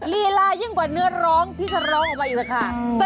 ลีลายิ่งกว่าเนื้อร้องที่จะร้องออกมาอยู่นะคะ